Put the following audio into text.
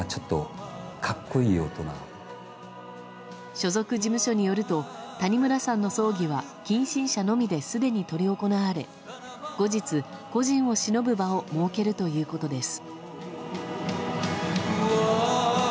所属事務所によると谷村さんの葬儀は近親者のみですでに執り行われ後日、故人を偲ぶ場を設けるということです。